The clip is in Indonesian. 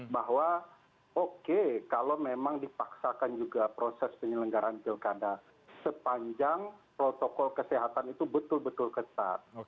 bahwa oke kalau memang dipaksakan juga proses penyelenggaraan pilkada sepanjang protokol kesehatan itu betul betul ketat